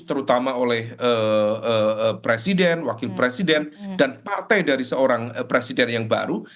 terutama oleh presiden wakil presiden dan partai dari seorang presiden yang baru